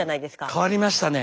変わりましたね。